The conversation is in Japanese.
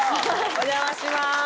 お邪魔します。